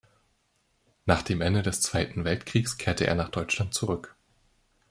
Nach dem Ende des Zweiten Weltkriegs kehrte er nach Deutschland zurück.